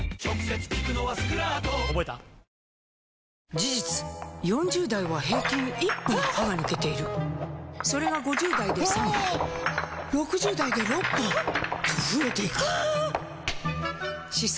事実４０代は平均１本歯が抜けているそれが５０代で３本６０代で６本と増えていく歯槽